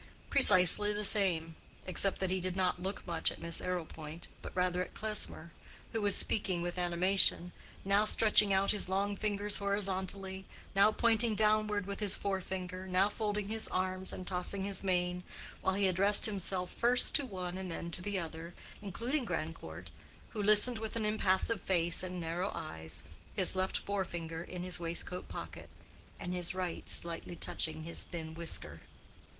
Precisely the same: except that he did not look much at Miss Arrowpoint, but rather at Klesmer, who was speaking with animation—now stretching out his long fingers horizontally, now pointing downward with his forefinger, now folding his arms and tossing his mane, while he addressed himself first to one and then to the other, including Grandcourt, who listened with an impassive face and narrow eyes, his left forefinger in his waistcoat pocket, and his right slightly touching his thin whisker.